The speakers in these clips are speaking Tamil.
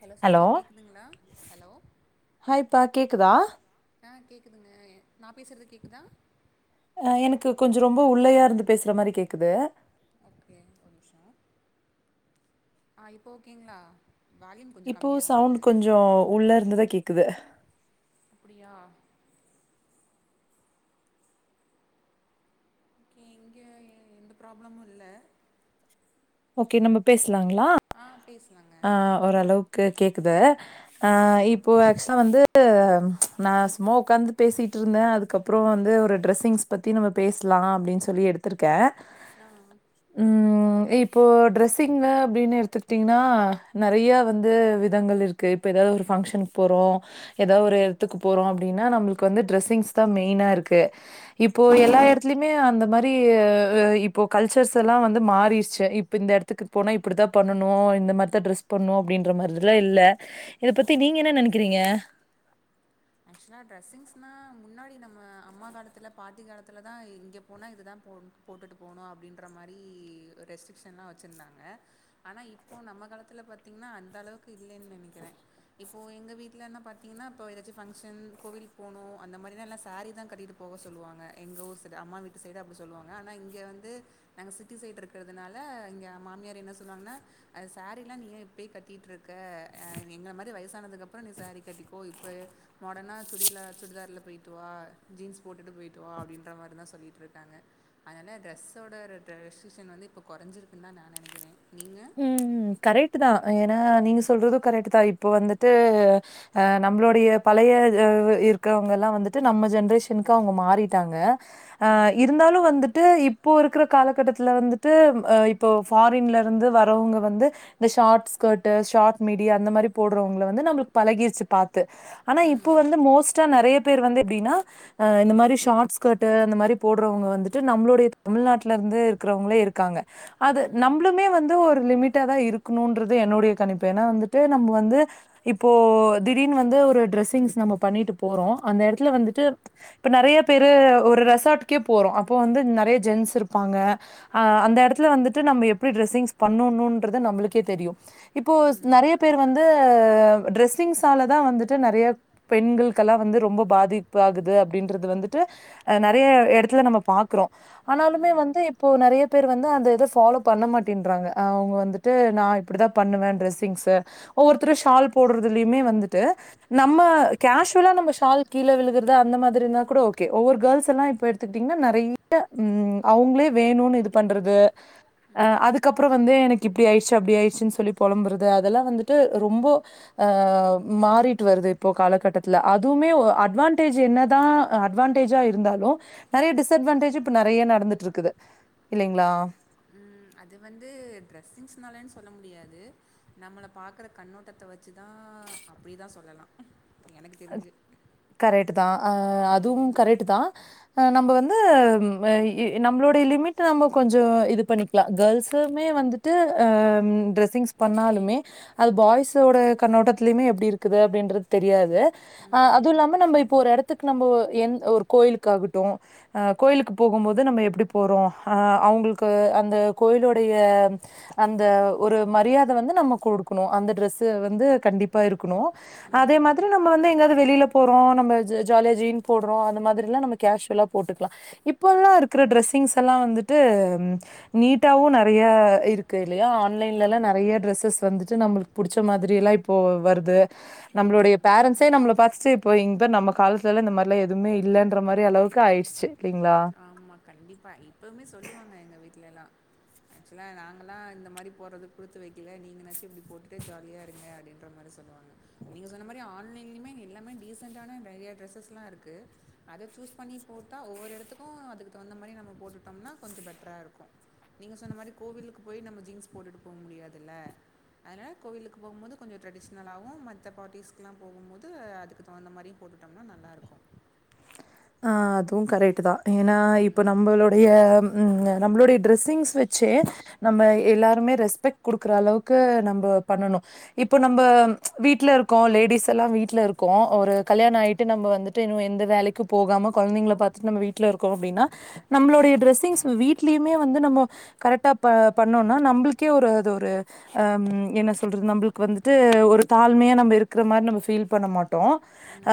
ஹலோ சிஸ்டர் கேக்குதுங்களா ஹலோ ஹாய்ப்பா கேக்குதா ஆ கேட்குதுங்க நான் பேசுறது கேக்குதா எனக்கு கொஞ்சம் ரொம்ப உள்ளயா இருந்து பேசுற மாரி கேட்குது அப்டியா ஒரு நிமிஷோ ஆ இப்போ ஓகேங்களா வால்யூம் கொஞ்சோ இப்போ கம்மியா சவுண்ட் இருந்தது கொஞ்சம் உள்ளே இருந்துதா கேக்குது அப்டியா இங்கே எந்த ப்ராப்ளமும் இல்ல ஓகே நம்ம பேசலாங்களா ஆ பேசலாங்க ஆ ஓரளவுக்கு கேக்குது ஆ சேரி ஓகே இப்ப வந்து நான் சும்மா ஒக்காந்து பேசிட்டு இருந்தே அதுக்கப்புறோ வந்து ஒரு ட்ரெஸ்ஸிங்ஸ் பத்தி நம்ம பேசலாம் அப்டின்னு சொல்லி எடுத்திருக்கே ஆ ம் இப்போ ட்ரெஸ்ஸிங்ல அப்டின் எடுத்துகிட்டீங்கன்னா நெறய வந்து விதங்கள் இருக்கு இப்ப ஏதாது ஒரு ஃபங்க்ஷனுக் போறோம் ஏதா ஒரு எடத்துக்கு போறோம் அப்டின்னா நம்மளுக்கு வந்து ட்ரெஸ்ஸிங்ஸ் தான் மெயினா இருக்கு இப்போ எல்லா எடத்துலயுமே அந்த மாதிரி இப்போ கல்ச்சர்ஸ் எல்லா வந்து மாறிருச்சு இப்ப இந்த எடத்துக்கு போனா இப்டிதான் பண்ணனு இந்த மாதிரி ட்ரெஸ் பண்ணும் அப்டின்ற மாதிரில்லாம் இல்ல இத பத்தி நீங்க என்ன நெனக்கிறீங்க ஆக்சுவலா ட்ரெஸ்ஸிங்ஸ்னா முன்னாடி நம்ம அம்மா காலத்ல பாட்டி காலத்ல தான் இங்கே போனா இது தான் போணும் போட்டுட்டு போனும் அப்டின்ற மாதிரி ரெஸ்ட்ரிக்க்ஷன்லா வச்சிருந்தாங்க ஆனா இப்போ நம்ம காலத்துல பாத்தீங்கன்னா அந்த அளவுக்கு இல்லேன்னு நெனக்கிறே இப்போ எங்க வீட்லன்னா பாத்தீங்கன்னா இப்போ ஏதாச்சி ஃபங் ஷன் கோவில் போனும் அந்த மாதிரி எல்ல சாரீ தான் கட்டிட்டு போக சொல்வாங்க எங்க ஊர் சைடு அம்மா விட்டு சைடு அப்டி சொல்வாங்க ஆனா இங்க வந்து நாங்க சிட்டி சைட் இருக்றதுனால எங்க மாமியார் என்ன சொல்வாங்கன்னா சேரீ எல்லாம் நீ இப்பயே கட்டிட்டுருக்க அ எங்கள மாதிரி வயசானதுக்கு அப்புறோ நீ சேரீ கட்டிக்கோ இப்ப மாடனா சுடிலா சுடிதார் ல போய்ட்டு வா ஜீன்ஸ் போட்டுட்டு போய்ட்டு வா அப்டின்ற மாதிரி தான் சொல்லிட்டுருக்காங்க அதனால ட்ரெஸ்சோட ட்ரீடிஷன் வந்து இப்ப கொறஞ்சிருக்குன் தான் நான் நெனக்கிறேன் நீங்க உ கரெக்ட் தான் ஏன்னா நீங்க சொல்றதும் கரெக்ட் தான் இப்போ வந்துட்டு அ நம்போளுடைய பழைய இருக்கிறவங்க எல்லாம் வந்துட்டு நம்ம ஜென்ரேஷனுக்கு அவங்க மாறிட்டாங்க அ ம் இருந்தாலு வந்துட்டு இப் போ இருக்கிற காலக்கட்டத்தில் வந்துட்டு ஆ இப்ப ஃபாரின்லருந்து வரவங்க வந்து இந்த ஷார்ட் ஸ்கர்ட் ஷார்ட் மிடி அந்த மாரி போடுறவங்கள வந்து நம்மளுக்கு பழகிடுச்சு பாத் து ஆனா இப்ப ம் வந்து மோஸ்டா நெறைய பேர் வந்து எப்டின்னா அ இந்த மாரி ஷார்ட் ஸ்கட்டு அந்த மாரி போடுறவங்க வந்துட்டு நம்மளுடைய தமிழ்நாட்டுல இருந்து இருக்கிறவங்களே இருக்காங்க அது ம் நம் ம வந்து ஒரு லிமிட்டா தா இருக்கணுன்றது என்னுடைய கணிப்பு ஏன்னா வந்துட்டு நம்ம வந்து இப்போ திடீர்ன்னு வந்து ஒரு ட்ரெஸ்ஸிங்ஸ் நம்ம பண்ணிட்டு போறோ அந்த எடத்துல வந்துட்டு இப்ப நெறைய பேரு ஒரு ரெசார்ட்கே போறோ அப்போ வந்து நெறைய ஜென்ஸ் இருப்பாங்க அ அந்த எடத்துல வந்துட்டு நம்ம எபடி டிரெஸ்ஸிங்ஸ் பண்ணணுன்றது நம்மளுக்கே தெரியு இப்போஸ் ம் நெறைய பேர் வந்து ட்ரெஸ்ஸிங்ஸால தா வந்துட்டு நெறைய பெண்களுக்கெல்லா வந்து ரொம்ப பாதிப்பு ஆகுது அப்டின்றது வந்துட்டு அ நெறைய எடத்துல நம்ம பாக்குறோ ஆனாலுமே ம் வந்து இப்போ நெறைய பேர் வந்து அந்த இத ஃபாலோ பண்ண மாட்டேன்றாங்க அவ்ங்க வந்துட்டு நா இப்டி தா பண்ணுவே ட்ரெஸ்ஸிங்ஸு ஒவ்வொருத்தரு ஷால் போடுறதுலயுமே வந்துட்டு நம்ம கேஷுவலா நம்ம ஷால் கீழ விழுகறது அந்த மாதிரினா கூட ஓகே ஒவ்வொரு கேர்ள்ஸ் எல்லா இப்ப பாத்துட்டீங்கன்னா நெறைய ம் அவ்ங்களே வேணுனு இது பண்றது அ ம் அதுக்கப்புற வந்து எனக்கு இப்டி ஆயிடுச்சு அப்டி ஆயிடுச்சுன்னு சொல்லி பொழம்புறது அதெல்லா வந்துட்டு ரொம்போ அ மாறிட்டு வருது இப்போ காலகட்டத்துல அதுவுமே அட்வான்டேஜ் என்னதா அட்வான்டேஜா இருந்தாலு நெறைய டிஸ்அட்வான்டேஜ் இப்ப நெறைய நடந்துட்டு இருக்குது இல்லைங்களா ம் அது வந்து ட்ரெஸ்ஸிங்ஸ்னால சொல்ல முடியாது நம்மளை பாக்கற கண்ணோட்டத்த வச்சிதா அப்டிதா சொல்லலா எனக்கு தெரிஞ்சி கரெக்ட் தா ஆ அதுவு கரெக்ட் தா அ நம்ம வந்துஅ நம்மளுடைய லிமிட் நம்ம கொஞ்சோ இது பண்ணிக்கலா கேர்ள்ஸ்மே வந்து ட்டு ட்ரெஸ்ஸிங்ஸ் பண்ணாலுமே அது பாய்ஸோட கண்ணோட்டத்திலயுமே எப்டி இருக்குது அப்டின்றது தெரியாது ஆ அதுவு ம் இல்லாம நம்ம இப்போ ஒரு எடத்துக்கு நம்ம எந் ஒரு கோயிலுக்காட்டு ஆ கோயிலுக்கு போகும் போது நம்ம எப்டி போறோ ஆ அவுங்களுக்கு அந்த கோயிலுடைய அந்த ஒரு மரியாதை வந்து நம்ம குடுக்கணு அந்த டிரெஸ் வந்து கண்டிப்பா இருக்கணு ம் நம்ம வந்து எங்கையாவது வெளியில போறோ நம்ம ஜா ஜாலியா ஜீன் போடுறோ அந்த மாரில்லா நம்ம கேஷ்வலா போட்டுக்கலா இப்ப எல்லா இருக்கிற டிரெஸ்ஸிங்ஸ் எல்லா வந்துட்டு நீட்டாவு நெறைய இருக்கு இல்லையா ஆன் லைன்லல்லா ஆமா நெறைய ஆமா டிரெஸ்ஸ வந்துட்டு நம்ளுக்கு பிடிச்ச மாரிலாம் இப்போ வருது நம்மளுடைய ம் பேரண்ட்ஸே நம்மல பாத்துட்டு இப்ப இங்க பாரு நம் காலத்தல இந்த மாரிலா எதுவுமே இல்லன்ற மாரி அளவுக்கு ஆயிடுச்சி ஆமா கண்டிப்பா இப்பவுமே சொல்லுவாங்க எங்க வீட்ல எல்லா ஆக்சுவலா நாங்கல்லா இந்த மாரி போறத குடுத்து வெக்கல நீங்கனாச்சு இப்டி போட்டுட்டு ஜாலியா இருங்க அப்டின்ற மாரி சொ ல்லுவாங்க நீங்க சொன்ன மாரி ஆன்லைன்யுமே எல்லாமே டீசன்டான நெறைய டிரெஸ்சஸ் எல்லா இருக்கு அதை சூஸ் பண்ணி போட்டா ஒவ்வொரு இடத்துக்கு அதுக்கு தகுந்த மாரி நம்ம போட்டுட்டோம்னா கொஞ்சோ பெட்டரா இருக்கு நீங்க சொன்ன மாரி கோவிலுக்கு போய் நம்ம ஜீன்ஸ் போட்டுட்டு போ முடியாதுல்ல அதனால கோவிலுக்கு போம்போது கொஞ்சோ ட்ரெடிஷ்னலாவு மத்த பார்டிஸ்க்குலா போம்போது அதுக்கு தகுந்த மாரி போட்டுட்டோம்னா நல்லாருக்கு ஆ அதுவு கரெக்ட் தா ஏன்னா இப்போ ம். நம்மளுடைய நம்மளுடைய ட்ரெஸ்ஸிங்ஸ் வச்சே நம்ம எல்லாருமே ரெஸ்பெக்ட் குடுக்குற அளவுக்கு நம்போ பண்ணணு இப்போ நம்ம வீட்ல இருக்கோ லேடிஸ் எல்லா வீட்டுல இருக்கோ ஒரு கல்யாணோ ஆயிட்டு நம்ம வந்து [unintelligible] எந்த வேலைக்கு போகாம கொழந்தைங்கள பாத்துட் நம்ம வீட்ல இருக்கோ அப்டின்னா நம்லோடைய டிரெஸ்ஸிங்ஸ் வீட்லயுமே வந்து நம்ம கரெக்டா ப பண்ணோன்னா நம்புளுக்கே ஒரு அது ஒரு ஆ ம் என்ன சொல்றது நம்புளுக்கு வந்துட்டு ஒரு தாழ்மையா நம்ம இருக்கற மாரி நம்ம ஃபீல் பண்ண மாட்டோ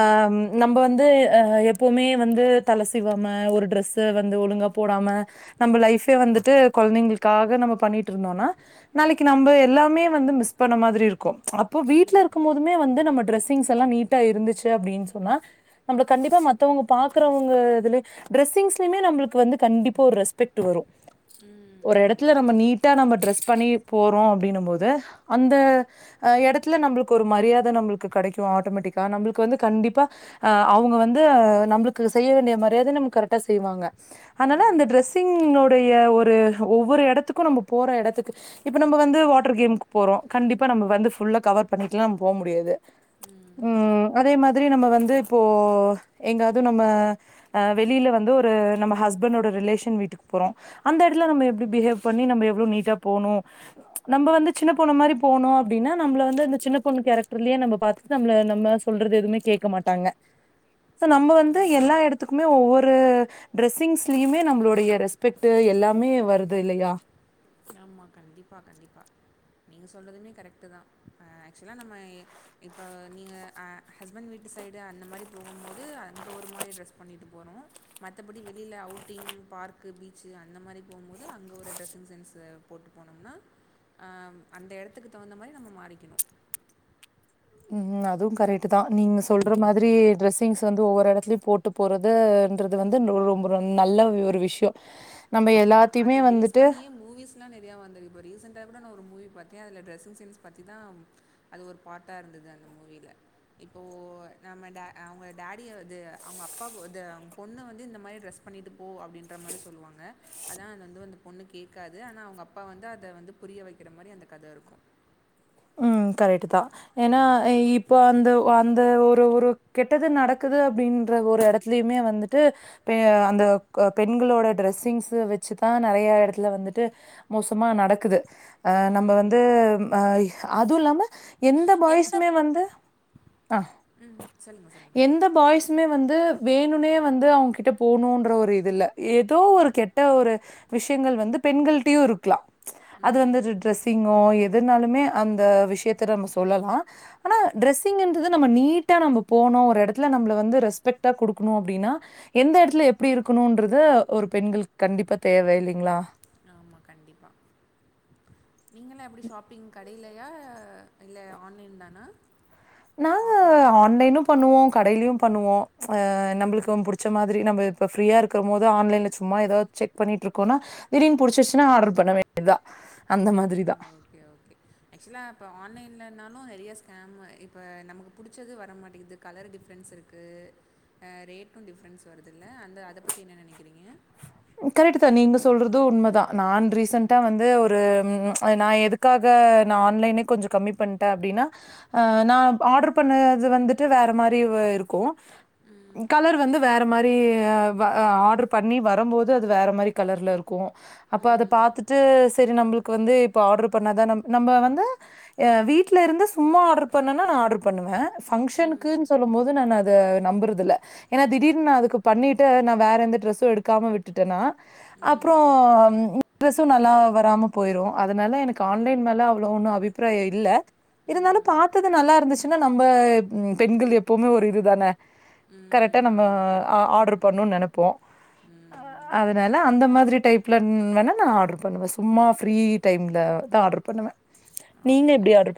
ஆ நம்ப வந்து அ எப் எப்வுமே வந்து தல சீவாம ஒரு டிரெஸ்ஸ வந்து ஒழுங்கா போடாம நம்ம லைஃபே வந்துட்டு கொழந்தைங்களுக்காக நாம பண்ணிட்ருந்தோனா நாளைக்கு நம்ப எல்லாமே வந்து மிஸ் பண்ண மாதிரி இருக்கு அப் இப்போ வீட்ல ம். இருக்கு போதுமே வந்து நம்ம டிரெஸிங்ஸ் எல்லா நீட்டா இருந்துச்சு அப்டின் சொன்னா நம்மள கண்டிப்பா மத் மத்தவங்க பாக்குறவங்க இதுலே டிரெஸ்ஸிங்ஸ்லயுமே நம்புளுக்கு வந்து கண்டிப்பா ஒரு ரெஸ்பெக்ட்டு வரு ம். ஒரு ஆமா. எடத்துல நம்ம கண்டிப்பா. நீட்டா நம்ம டிரெஸ் பண்ணி போறோ அப்டினும் போது அந்த அ எடத்துல நம்புளுக்கு ஒரு மரியாத நம்புளுக்கு கெடைக்கு ஆட்டோமேட்டிக்கா நம்புளுக்கு வந்து கண்டிப்பா அவுங்க வந்து நம்புளுக்கு செய்ய வேண்டிய மரியாதைய நமக்கு கரெக்டா செய்வாங்க அத்னால அந்த ம். டிரெஸ்சிங் ன்னுடைய ஒரு ஒவ்வொரு எடத்துக்கு நம்ம போற எடத்துக்கு இப்ப நம்ப வந்து வாட்டர் கேம்க்கு போறோ கண்டிப்பா நாம்ப வந்து ஃபுல்லா கவர் பண்ணிட்லா போவ முடியாது ம் அதே மாதிரி நம்ம வந்து இப்போ எங்காவது நம்ம ஆ வெளியில வந்து ஒரு நம்ம ஹஸ்பண்டோட ரிலேஷன் வீட்டுக் போறோ அந்த எடத்துல நம்ப எப்டி பிஹேவ் பண்ணி நம்ப எவ்ளோ நீட்டா போணு நம்ப வந்து சின்ன பொண்ணு மாரி போனு அப்டின்னா நம்பல வந்து அந்த சின்ன பொண்ணு கேரக்டர்லயே நம்ப பாத்து நம்ல நம்ம சொல்றது எதுமே கேட்க மாட்டாங்க சோ நம்ம வந்து ம். எல்லா எடத்துக்குமே எ ஒவ்வொரு டிரெஸ்ஸிங்ஸ்லியுமே நம்புளுடைய ரெஸ்பெக்ட்டு எல்லாமே வருது இல்லயா ஆமா கண்டிப்பா கண்டிப்பா நீங்க சொல்றதுமே கரெக்ட்டு தா ஆ ஆக்சுவலா நம்ம எ இப்போ நீங்க அ ஹஸ்பண்ட் வீட்டு சைடு அந்த மாரி போகும் போது அங்கே ஒரு மாரி ட்ரெஸ் பண்ணிட்டு போனு மத்தபடி வெளியில அவுட்டிங் பார்க்கு பீச்சு அந்த மாரி போகும்போது அங்க ஒரு டிரெஸ்ஸிங் சென்ஸ் த போட்டு போனோம்னா அ ம் அந்த எடத்துக்கு தகுந்த மாரி நம்ம மாறிக்கிணு ம் ம் அதும் கரெக்ட்டு தா நீங்க சொல்ற ம். மாத்ரி டிரெஸ்ஸிங்ஸ் வந்து ஒவ்வொரு எடத்திலயு போட்டு போறதுன்றது வந்து நு ம். ரொம்ப் ரொம் நல்ல ஒரு விஷ்யோ ஆம்மா அத பேஸ் பண்ணியே மூவிஸ் ல்லா நெறையா வந்திருக்கு இப்ப ரீசெண்டா குட நா ஒரு மூவி பாத்தே அதுல டிரெஸ்ஸிங் சென்ஸ் பத்திதா அது ஒரு பார்ட்டா இருந்தது அந்த மூவியில இப்போ நம்ம டே அவங்க டாடி அது அவங்க அப்பா அது பொண்ணு வந்து இந்த மாரி டிரஸ் பண்ணிட்டுபோ அப்டின்ற மாரி சொல்லுவாங்க அதா அது வந்து வந்து அந்த பொண்ணு கேட்காது ஆனா அவுங்க அப்பா வந்து அத வந்து புரிய வெக்கிற மாரி அந்த கத இருக்கு உம் கரெக்ட்டு தா ஏன்னா அ ம். இப் இப்போ அந்த அந்த ஒரு ஒரு கெட்டது நடக்குது அப்டின்ற ஒரு எடத்துலியுமே வந்துட்டு இப்பயு அந்த க பெண்களோட டிரெஸ்ஸிங்ஸ வெச்சுதா நெறைய எடத்துல வந்துட்டு மோசமா நடக்குது அ நம்ப வந்து அ அது இல்லாம எந்த பாய்ஸ்சுமே வந்து ஆ ம். சொல்லுங்க, சொல்லுங்க. எந்த பாய்ஸசுமே வந்து வேணுனே வந்து அவுங் கிட்ட போணுன்ற ஒரு இது இல்ல ஏதோ ஒரு கெட்ட ஒரு விஷயங்கள் வந்து பெண்கள்ட்டியு இருக்லா அது வந்து ம். டிர டிரெஸ்ஸிங்கோ எதுனாலுமே அந்த விஷயத்த நம்ம சொல்லலா ஆனா டிரரெஸ்ஸிங்ன்றது நம்ம நீட்டா நாம போனோ ஒரு எடத்துல நம்மள வந்து ரெஸ்பெக்ட்டா குடுக்குணு அப்டின்னா எந்த எடத்துல எப்டி இருக்கணுன்றது ஒரு பெண்களுக்கு கண்டிப்பா தேவ இல்லேங்களா ஆமா கண்டிப்பா நீங்களா எப்டி ஷாப்பிங் க கடைலையா இல்ல ஆன்லைன் தானா நாங்க ஆஃப்லைனா? ஆன்லைனும் பண்ணுவோம் கடயிலயும் பண்ணுவோம் அ நம்மளுக்கு ரொம்ப ம் புடிச்ச மாதிரி நம்ம இப்பஃப்ரீயா இருக்கும் போது ஆன்லைன்ல சும்மா ஏதாவது செக் பண்ணிட்டு இருக்கோனா திடீனு புடிச்சுச்சுன்னா ஆர்டர் பண்ண வேண்டிதா அந்த மாதிரி தான் ஆ ஓகே ஓகே ஆக்சுவலா இப்போ ஆன்லைன்லனாலும் நெறய ஸ்கேம் இப்போ நமக்கு புடிச்சது வர மாட்டேங்குது கலர் டிஃப்ரென்ஸ் இருக்கு அஹ் ரேட்டும் டிஃப்ரென்ஸ் வருதில்லை அந்த அதை பத்தி என்ன நெனக்கிறீங்க கரெக்ட் தான் நீங்க சொல்றதும் உண்மைதான் நான் ரீசன்டா ம் வந்து ஒரு ம்ச் நான் எடு க்காக நான் ஆன்லைனே கொஞ்சம் கம்மி பண்ட்டேன் அப்டின்னா அ நான் ஆர்டர் பண்ணது வந்துட்டு வேற மாதிரி இருக்கும் கலர் வந்து வேற மாதிரி ஆ ஆர்டர் பண்ணி வரம்போது அது வேற மாதிரி கலர்ல இருக்கும் ம் அப்போ அத ம் பாத்துட்டு சரி நம்பளுக்கு வந்து இப்போ ஆர்டர் பண்ணாதான் நம் நம்ம வந்து வீட்ல இருந்து சும்மா ஆர்டர் பண்ணேன்னா நான் ஆர்டர் பண்ணுவேன் ம் பங்க்ஷனுக்குன்னு சொல்லும் போது நான் அது அத நம்புறதுல்ல ஏன்னா திடீர்னு நான் அதுக்கு பண்ணிட்டு நான் வேற எந்த ட்ரெஸ்ஸும் எடுக்காம விட்டுட்டேன்னா அப்றோ ம் ட்ரெஸ்ஸும் நல்லா வராம போயிரும் அதனால எனக்கு ஆன்லைன் ஆமாம் மேல அவ்ளோ ஒன்னு அ அபிப்பிராய இல்ல இருந்தாலும் ம் பாத்தது நல்லா இருந்துச்சுன்னா நம்ம பெண்கள் எப்பவுமே ஒரு இதுதானே கரெக்டா ம் நம்ப ஆமாம் ஆ கண்டிப்பாக ஆர்டர் பண்ணுன் ம் நெனப்போ ம் அது வேணா அந்த மாதிரி டைப்ல வேணா நான் ஆர்டர் பண்ணுவே சும்மா ஃப்ரீ டைம்ல தான் ஆர்டர் பண்ணுவேன் ஓகே ஓகே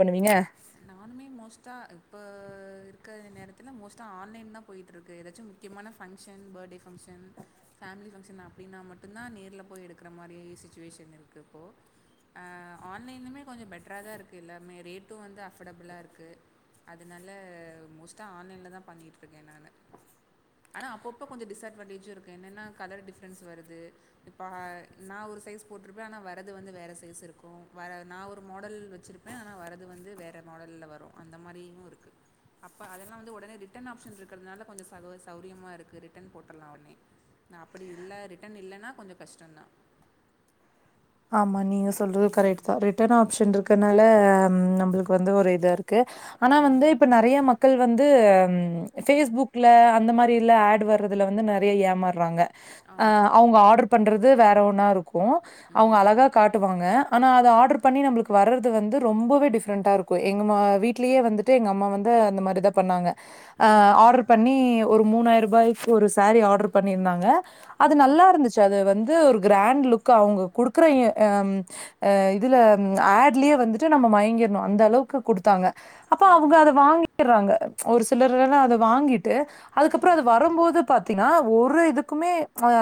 நானுமே மோஸ்ட்டா இப்போ இருக்ற நேரத்துல மோஸ்ட்டா ஆன்லைன் தா போய்ட்டுருக்கு எதாச்சு முக்கியமான function birthday function family function அப்டின்னா மட்டும் தான் நேர்ல போய் எடுக்ற மாதிரி சுச்சுவேஷன் இருக்கு இப்போ அ ஆன்லைன்லுமே கொஞ்சம் பெட்டரா தான் இருக்கு எல்லாமே ரேட்டும் வந்து அஃபர்டபிளா இருக்கு அதனால மோஸ்ட்டா ஆன்லைன்ல தான் பண்ணிட்டு இருக்கே நானு ஆனா அப்பப்போ கொஞ்சம் டிஸ்அட்வான்டேஜும் இருக்கு என்னன்னா கலர் டிஃப்ரென்ஸ் வருது இப்ப நான் ஒரு சைஸு போட்ருப்பேன் ஆனா வரது வந்து வேற சைஸு இருக்கும் வ நான் ஒரு மாடல் வச்ருப்பேன் ஆனால் வரது வந்து வேற மாடல்ல வரும் அந்த மாரி இன்னு இருக்கு அப்ப அதெல்லாம் வந்து ஒடனே ரிட்டர்ன் ஆப்ஷன் இருக்றதுனால கொஞ்சம் சர்வ சௌரியமா இருக்கு ரிட்டர்ன் போட்ரலாம் ஒடனே நான் அப்படி இல்ல ரிட்டன் இல்லன்னா கொஞ்ச கஷ்டந்தான் [inaudible] ஆமா நீங்க சொல்றது கரெக்ட் ம். தான் ரிட்டர்ன் ஆப்ஷன் இருக்கனால நம்பளுக்கு வந்து ஒரு இதா இருக்கு கு ஆனா வந்து ம். இப்ப நெறய மக்கள் வந்து பேஸ்புக்ல அந்த மாரில்ல ஆட் வர்றதுல வந்து நெறய ஏமார்றாங்க அ ஆமா. அவுங்க ஆர்டர் பண்றது வேற ஒண்ணா இருக்கும் அவுங்க ம். அழகா காட்டுவாங்க ஆனா அத ஆர்டர் பண்ணி நம்ளுக்கு வர்து வந்து ரொம்பவே டிஃப்ரெண்டா இருக்கும் எங்க வீ்ட்லயே வந்துட்டு எங்க அம்மா வந்து அந்த மாதிரி தான் பண்ணாங்க அ ம். ஆர்டர் பண்ணி ஒரு மூணாயிர ரூபாய்க்கு ஒரு சாரீ ஆர்டர் பண்ணியிருந்தாங்க அது நல்லா இருந்துச்சு அது வந்து ஒரு கிராண்ட் லுக் அவுங்க குடுக்குற யம் அஹ் இதுல ம் ஆட்லயே இதுல ஆட்லயே வந்துட்டு நம்ம மயங்கிடணு அந்த அளவுக்கு குடுத்தாங்க அப்ப அவுங்க அத வாங்கிக்றாங்க ஒரு சிலர் வேற அத வாங்கிட்டு அதுக்கப்றோ அது வரம்போது பாத்தீன்னா ஒரு இதுக்குமே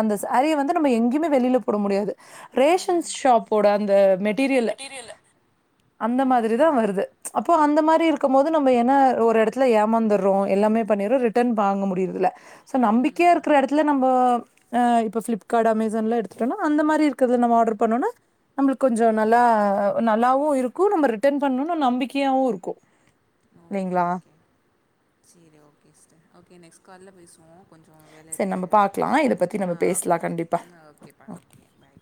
அந்த சாரிய வந்து நம்ம எங்கயுமே வெளில போட முடியாது ரேஷன்ஸ் ம். ஷாப்போட அந்த மெட்டீரியல்லு மெட்டீரியல் அந்த ம். மாரி தா ம். வருது அப்போ அந்த மாரி இருக்கும் போது ஓகே. நம்ம என்னா ஒரு எடத்துல ஏமாந்துடுறோ எல்லாமே பண்ணிற ரிட்டர்ன் வாங்க முடியிரதில்ல சோ நம்பிக்கையா ம். இருக்கிற எடத்துல நம்போ ஆ இப்ப பிளிப்கார்ட் அமேசான்ல எடுத்துட்டோனா அந்த மாரி க்ருதுல நம ஆர்டர் பண்ணும்னா நம்மளுக்கு கொஞ்ச நல்லா நல்லாவு இருக்கு நம்ம ரிட்டன் பண்ணணும்னு நம்பிக்கையாவு இருக்கு ஓகே இல்லைங்களா ஓகே சேரி ஓகேஸ்டர் ஓகே நெக்ஸ்ட் கால்ல பேசுவோ கொஞ்சோ வேல சரி இருக்கு நம்ம பாக்கலா பாத்து இத பத்தி ஆ நம்ம பேசலா ஓகே கண்டிப்பா ம் ஓகேப்பா ஓகே பாய்